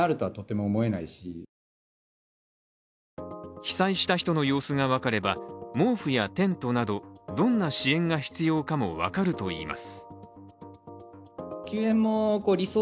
被災した人の様子が分かれば毛布やテントなどどんな支援が必要かも分かるといいます。